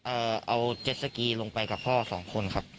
เอาเจ็ดสกีลงไปกับพ่อสองคนครับ